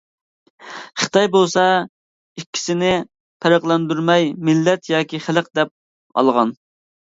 خىتاي بولسا ئىككىسىنى پەرقلەندۈرمەي «مىللەت» ياكى «خەلق» دەپ ئالغان.